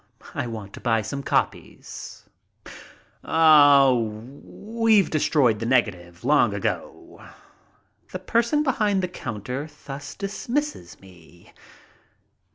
I want to buy some copies," "Oh, we've destroyed the negative long ago" ; the person behind the counter thus dismisses me.